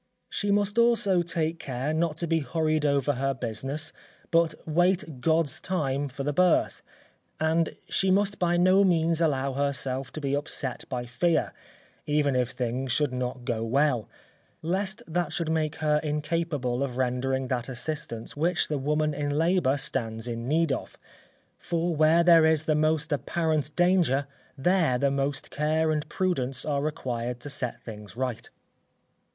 She must also take care not to be hurried over her business but wait God's time for the birth, and she must by no means allow herself to be upset by fear, even if things should not go well, lest that should make her incapable of rendering that assistance which the woman in labour stands in need of, for where there is the most apparent danger, there the most care and prudence are required to set things right.